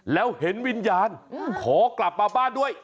แล้วเห็นวิญญาณขอกลับมาบ้านด้วย